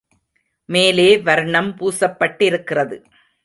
மேலே வர்ணம் பூசப்பட்டிருக்கிறது.